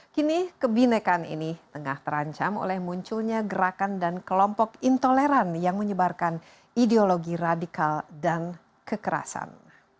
kini kebinekaan ini tengah terancam oleh munculnya gerakan dan kelompok intoleran yang menyebarkan ideologi radikal dan kekerasan